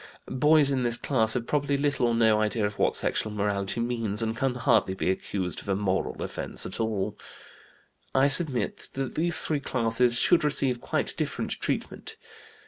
Boys in this class have probably little or no idea of what sexual morality means, and can hardly be accused of a moral offense at all. "I submit that these three classes should receive quite different treatment.